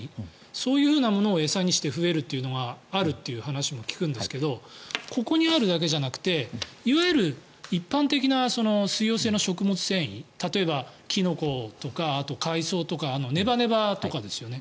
そういうものを餌にして増えるというのもあるって話を聞くんですがここにあるだけじゃなくていわゆる一般的な水溶性の食物繊維例えばキノコとか海藻とかネバネバとかですよね。